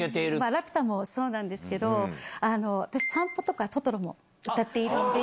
ラピュタもそうなんですけども、私、さんぽとか、トトロも歌っているので。